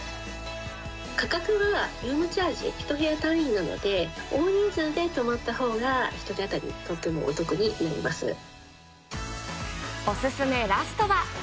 価格はルームチャージ、１部屋単位なので、大人数で泊まったほうが、１人当たりとてもおお勧めラストは。